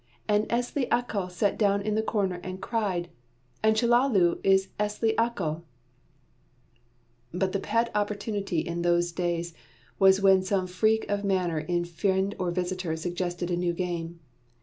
And Esli Accal sat down in a corner and cried. And Chellalu is Esli Accal!" But the pet opportunity in those glad days was when some freak of manner in friend or visitor suggested a new game.